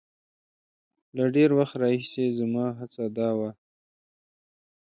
له ډېر وخت راهیسې زما هڅه دا وه.